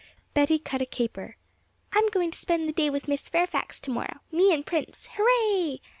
Betty cut a caper. 'I'm going to spend the day with Miss Fairfax to morrow; me and Prince, hurray!'